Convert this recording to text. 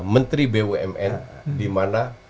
menteri bumn dimana